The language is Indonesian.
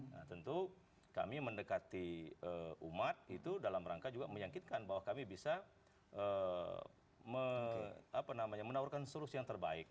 nah tentu kami mendekati umat itu dalam rangka juga menyakitkan bahwa kami bisa menawarkan solusi yang terbaik